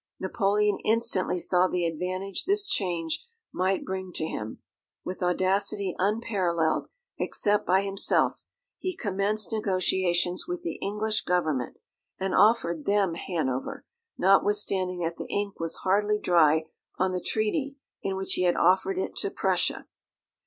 Napoleon instantly saw the advantage this change might bring to him. With audacity unparalleled, except by himself, he commenced negotiations with the English Government and offered them Hanover, notwithstanding that the ink was hardly dry on the treaty in which he had offered it to Prussia.